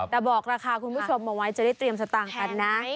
แต่บอกราคาคุณผู้ชมเอาไว้จะได้เตรียมสตางค์กันนะ